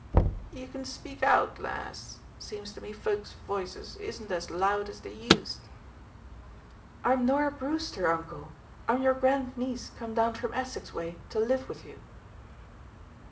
"You can speak out, lass. Seems to me folk's voices isn't as loud as they used." "I'm Norah Brewster, uncle. I'm your grandniece come down from Essex way to live with you."